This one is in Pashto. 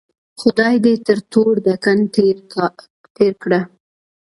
خدای دې تر تور دکن تېر کړه.